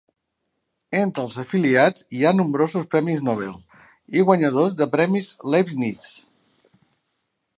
Entre els afiliats hi ha nombrosos premis Nobel i guanyadors de premis Leibniz.